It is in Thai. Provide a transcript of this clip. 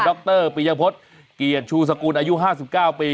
ดรปียพศเกียจชูสกุลอายุ๕๙ปี